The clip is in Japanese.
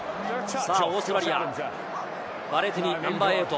オーストラリア、ヴァレティニ、ナンバー８。